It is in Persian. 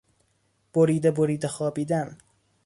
بریده بریده خوابیدن